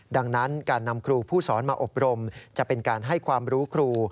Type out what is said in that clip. ดังนั้นการนำครูผู้สอนมาอบรมจะเป็นการให้ความรู้ครู